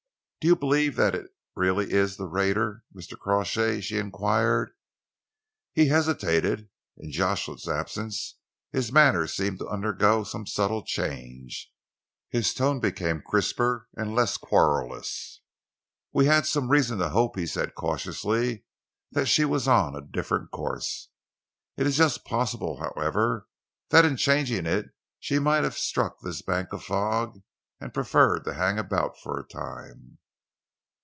"Do you believe that it really is the raider, Mr. Crawshay?" she enquired. He hesitated. In Jocelyn's absence his manner seemed to undergo some subtle change, his tone to become crisper and less querulous. "We had some reason to hope," he said cautiously, "that she was on a different course. It is just possible, however, that in changing it she might have struck this bank of fog and preferred to hang about for a time."